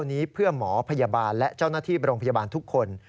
วันนี้เพื่อหมอพยาบาลและเจ้าหน้าที่โรงพยาบาลทุกคน